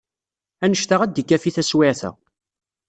Anect-a ad d-ikafi taswiɛt-a.